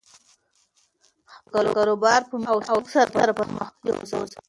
خپل کاروبار په مینه او شوق سره پرمخ یوسه.